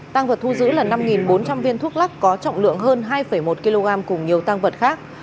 tăng vật thu giữ là năm bốn trăm linh viên thuốc lắc có trọng lượng hơn hai một kg cùng nhiều tăng vật khác